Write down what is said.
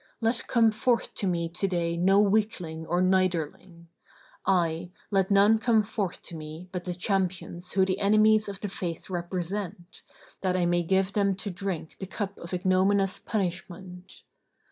Let come forth to me to day no weakling or niderling; ay, let none come forth to me but the champions who the enemies of The Faith represent, that I may give them to drink the cup of ignominious punishment.